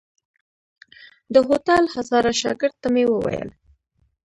د هوټل هزاره شاګرد ته مې وويل.